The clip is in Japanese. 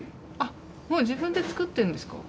もう自分で作っているんですか？